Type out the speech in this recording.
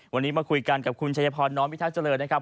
วันนี้มาคุยกันกับคุณชัยพรน้อมพิทักษ์เจริญนะครับ